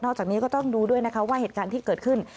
จากนี้ก็ต้องดูด้วยนะคะว่าเหตุการณ์ที่เกิดขึ้น